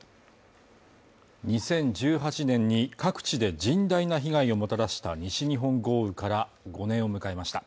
２０１８年に各地で甚大な被害をもたらした西日本豪雨から５年を迎えました。